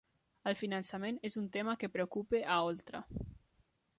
El finançament és un tema que preocupa a Oltra